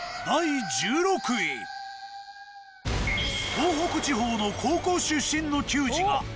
東北地方の高校出身の球児がランクイン。